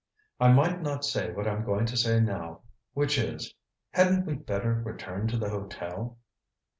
"I might not say what I'm going to say now. Which is hadn't we better return to the hotel?"